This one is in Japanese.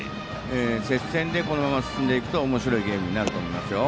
接戦で、このまま進んでいくとおもしろいゲームになると思います。